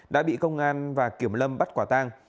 đã bị công an và kiểm lâm bắt quả tang